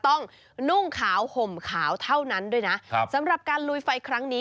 นุ่งขาวห่มขาวเท่านั้นด้วยนะครับสำหรับการลุยไฟครั้งนี้